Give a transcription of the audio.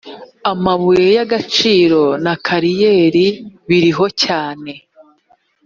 amabuye y ‘agaciro na kariyeri biriho cyane.